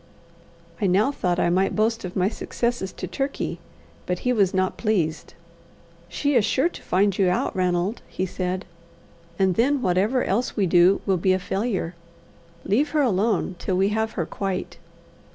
I now thought I might boast of my successes to Turkey, but he was not pleased. "She is sure to find you out, Ranald," he said, "and then whatever else we do will be a failure. Leave her alone till we have her quite."